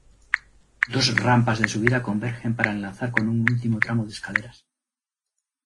Dos rampas de subida convergen para enlazar con un último tramo de escaleras.